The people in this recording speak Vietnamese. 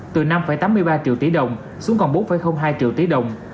từ năm tám mươi ba triệu tỷ đồng xuống còn bốn hai triệu tỷ đồng